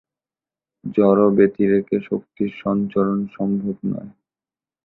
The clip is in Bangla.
জড় ব্যতিরেকে শক্তির সঞ্চরণ সম্ভব নয়।